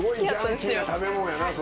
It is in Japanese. すごいジャンキーな食べ物やな。